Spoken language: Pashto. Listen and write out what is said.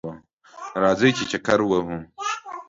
راځئ چه چکر ووهو